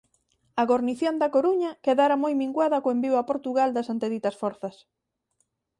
A gornición da Coruña quedara moi minguada co envío a Portugal das anteditas forzas.